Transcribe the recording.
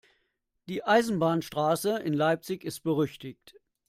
Die Eisenbahnstraße in Leipzig ist berüchtigt.